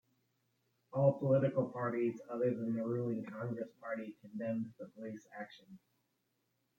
All political parties, other than the ruling Congress Party, condemned the police action.